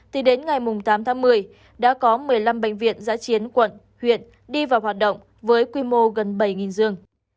thì đến ngày tám tháng một mươi đã có một mươi năm bệnh viện giã chiến quận huyện đi vào hoạt động với quy mô gần bảy giường